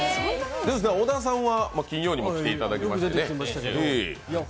小田さんは金曜日にも来ていただきましたが。